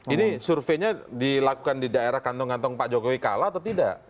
ini surveinya dilakukan di daerah kantong kantong pak jokowi kalah atau tidak